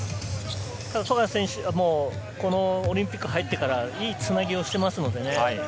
富樫選手、オリンピックに入ってから、いいつなぎをしていますのでね。